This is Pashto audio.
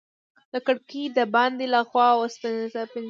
کړکۍ د باندې له خوا وسپنيزه پنجره لرله.